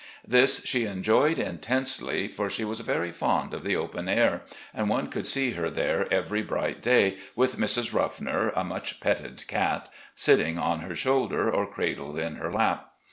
This she enjoyed intensely, for she was very fond of the open air, and one could see her there every bright day, with Mrs. "Ruffner," a much petted cat, sitting on her shoulder or cradled in her lap.